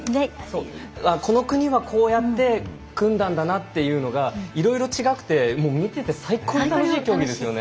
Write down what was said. この国は、こうやって組んだんだなというのがいろいろちがくて見てて最高に楽しい競技ですね。